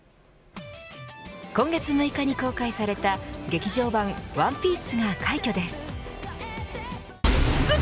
今月６日に公開された、劇場版ＯＮＥＰＩＥＣＥが快挙です。